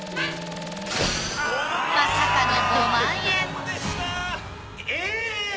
まさかの５万円えぇ！？